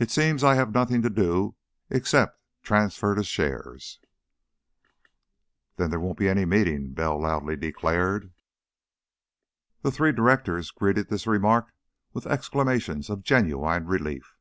It seems I have nothing to do except transfer the shares." "Then there won't be any meeting!" Bell loudly declared. The three directors greeted this remark with exclamations of genuine relief.